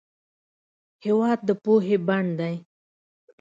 هېواد د پوهې بڼ دی.